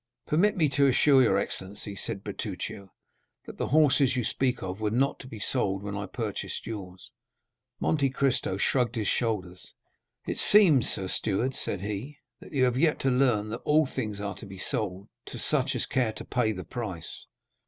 "Permit me to assure your excellency," said Bertuccio, "that the horses you speak of were not to be sold when I purchased yours." Monte Cristo shrugged his shoulders. "It seems, sir steward," said he, "that you have yet to learn that all things are to be sold to such as care to pay the price."